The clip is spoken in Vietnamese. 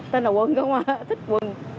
tên là quần không à thích quần